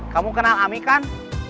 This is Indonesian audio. kamu kenal ami kan